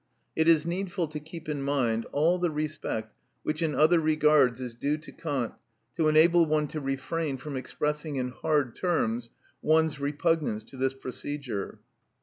It is needful to keep in mind all the respect which in other regards is due to Kant to enable one to refrain from expressing in hard terms one's repugnance to this procedure.